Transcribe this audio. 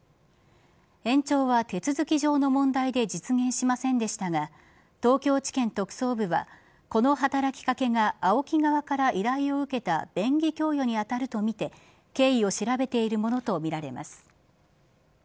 延長は手続き上の問題で実現しませんでしたが東京地検特捜部はこの働き掛けがＡＯＫＩ側から依頼を受けた便宜供与に当たるとみて経緯を調べているものとみられます。